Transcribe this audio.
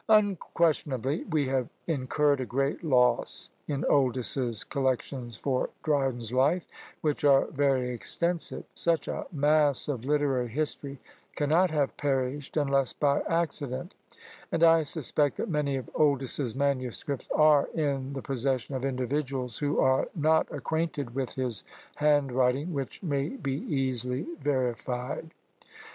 " Unquestionably we have incurred a great loss in Oldys's collections for Dryden's Life, which are very extensive; such a mass of literary history cannot have perished unless by accident; and I suspect that many of Oldys's manuscripts are in the possession of individuals who are not acquainted with his hand writing, which may be easily verified.